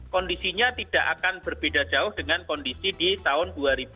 kondisinya tidak akan berbeda jauh dengan kondisi di tahun dua ribu dua puluh